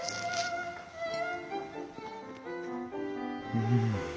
うん。